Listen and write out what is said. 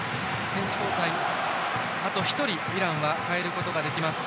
選手交代、あと１人イランは代えることができます。